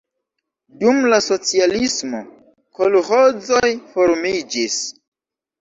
Dum la socialismo kolĥozoj formiĝis.